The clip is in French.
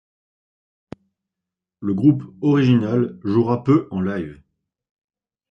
Le groupe original jouera peu en live.